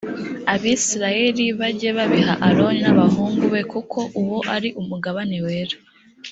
abisirayeli bajye babiha aroni n’abahungu be kuko uwo ari umugabane wera